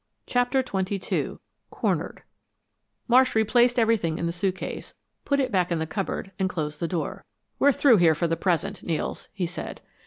CHAPTER XXII CORNERED Marsh replaced everything in the suitcase, put it back in the cupboard, and closed the door. "We're through here for the present, Nels," he said.